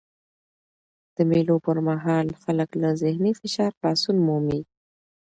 د مېلو پر مهال خلک له ذهني فشار خلاصون مومي.